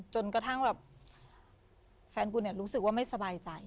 จนกระทั่งแบบแฟนกูเนี่ยรู้สึกว่าไม่สบายใจ